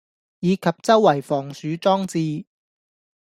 以及周圍防鼠裝置